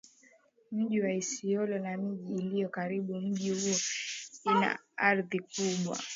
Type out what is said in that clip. mji wa Isiolo na miji iliyo karibu na mji huo ina ardhi kubwa